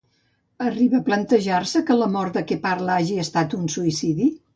Arriba a plantejar-se que la mort de què parla hagi estat un suïcidi?